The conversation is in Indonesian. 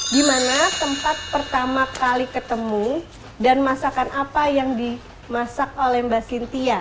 gimana tempat pertama kali ketemu dan masakan apa yang dimasak oleh mba sintia